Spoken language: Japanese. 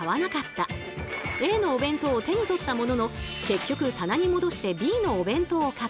Ａのお弁当を手に取ったものの結局棚に戻してＢのお弁当を買った。